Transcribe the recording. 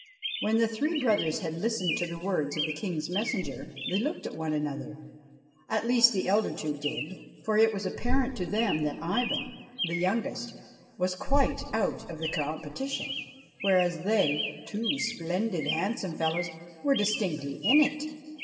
When the three brothers had listened to the words of the King's messenger they looked at one another ; at least the elder two did, for it was apparent to them that Ivan, the youngest, was quite out of the competition, whereas they, two splendid handsome fellows, were distinctly in it.